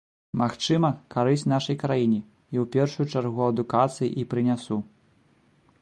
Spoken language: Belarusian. Магчыма, карысць нашай краіне, і ў першую чаргу адукацыі і прынясу.